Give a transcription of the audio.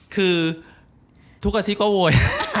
คือทุกอาชีพก็โวย